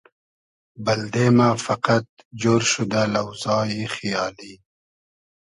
بئلدئ مۂ فئقئد جۉر شودۂ لۆزای خیالی